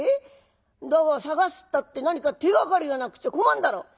だが捜すったって何か手がかりがなくちゃ困んだろ」。